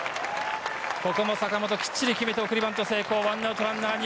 ここも坂本、きっちり決めて送りバント成功。